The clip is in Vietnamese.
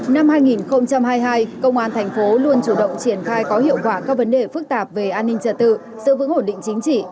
năm hai nghìn hai mươi hai công an thành phố luôn chủ động triển khai có hiệu quả các vấn đề phức tạp về an ninh trật tự sự vững ổn định chính trị